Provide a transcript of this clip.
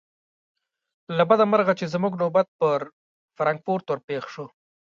له بده مرغه چې زموږ نوبت پر فرانکفورت ور پیښ شو.